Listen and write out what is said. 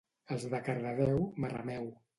Els de Cardedeu, marrameu!